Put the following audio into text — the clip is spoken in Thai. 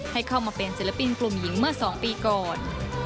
ให้เข้ามาเป็นศิลปินกลุ่มหญิงเมื่อ๒ปีก่อน